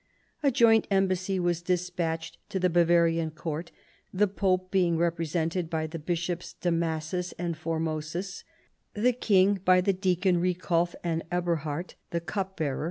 A joint embassy was despatched to the Bavarian court : the pope being represented by the bishops, Damasusand Formosus, the king by the deacon RicliulF and Eberhard the arch cupbearer.